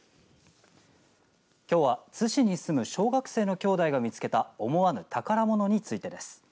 きょうは津市に住む小学生の兄弟が見つけた思わぬ宝物についてです。